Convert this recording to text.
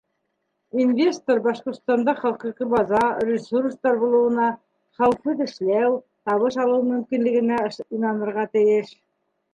Инвестор Башҡортостанда хоҡуҡи база, ресурстар булыуына, хәүефһеҙ эшләү, табыш алыу мөмкинлегенә инанырға тейеш.